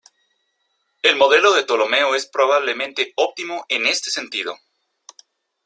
El modelo de Ptolomeo es probablemente óptimo en este sentido.